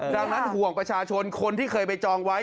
ดังนั้นห่วงประชาชนคนที่เคยไปจองไว้